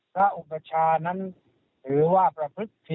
อุปชานั้นถือว่าประพฤติ